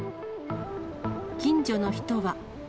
近所の人は。